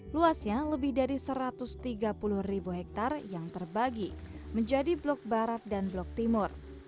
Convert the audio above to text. luasnya lebih dari satu ratus tiga puluh ribu hektare yang terbagi menjadi blok barat dan blok timur